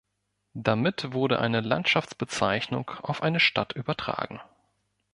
Damit wurde eine Landschaftsbezeichnung auf eine Stadt übertragen.